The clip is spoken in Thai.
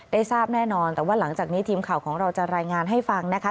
ได้ทราบแน่นอนแต่ว่าหลังจากนี้ทีมข่าวของเราจะรายงานให้ฟังนะคะ